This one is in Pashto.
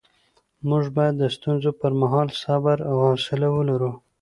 موږ باید د ستونزو پر مهال صبر او حوصله ولرو